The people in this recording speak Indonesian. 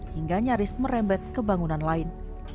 hingga nyaris merembet ke bangunan lain